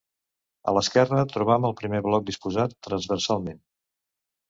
A l'esquerra trobam el primer bloc disposat transversalment.